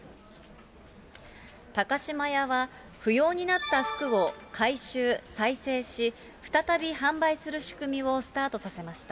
高島屋は、不要になった服を回収、再生し、再び販売する仕組みをスタートさせました。